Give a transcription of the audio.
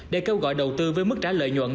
để kêu gọi đầu tư với mức trả lợi nhuận